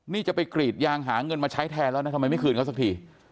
นี่จะไปกรีดยางหาเงินมาใช้แทนแล้วนะทำไมไม่คืนเขาสักที